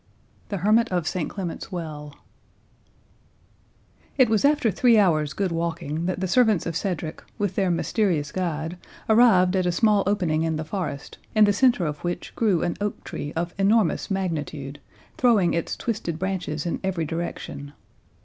THE HERMIT OF ST CLEMENT'S WELL It was after three hours' good walking that the servants of Cedric, with their mysterious guide, arrived at a small opening in the forest, in the centre of which grew an oak tree of enormous magnitude, throwing its twisted branches in every direction.